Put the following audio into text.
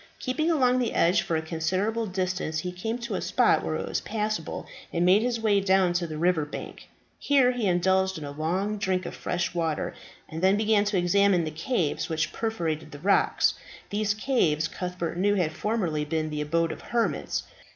Keeping along the edge for a considerable distance, he came to a spot where it was passable, and made his way down to the river bank. Here he indulged in a long drink of fresh water, and then began to examine the caves which perforated the rocks. These caves Cuthbert knew had formerly been the abode of hermits.